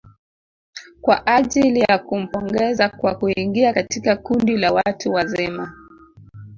Kwa ajili ya kumpongeza kwa kuingia katika kundi la watu wazima